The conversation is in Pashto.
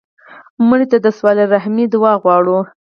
مړه ته د صله رحمي دعا غواړو